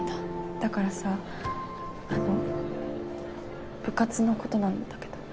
だからさあの部活のことなんだけど。